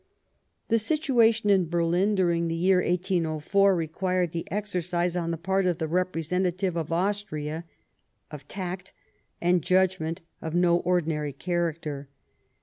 The situation in Berlin during the year 1804 required the exercise, on the part of the representative of Austria, of tact and judgment of no ordinary character.